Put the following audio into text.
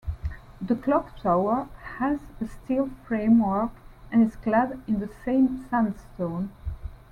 The clock tower has a steel framework, and is clad in the same sandstone.